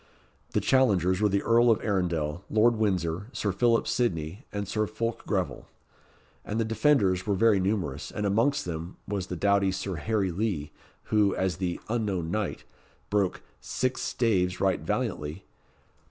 The challengers were the Earl of Arundel, Lord Windsor, Sir Philip Sidney, and Sir Fulke Greville; and the defenders were very numerous, and amongst them was the doughty Sir Harry Lee, who, as the "unknown knight," broke "six staves right valiantly."